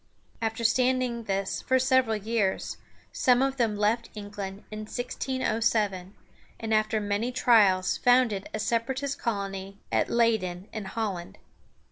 After standing this for several years, some of them left England in 1607, and after many trials founded a Separatist colony at Leȳ´den in Holland.